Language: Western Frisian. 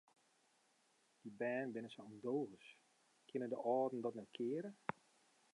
Dy bern binne sa ûndogens, kinne de âlden dat net keare?